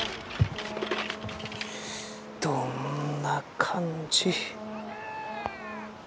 どんな感じ。